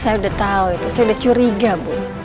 saya udah tau itu saya udah curiga bu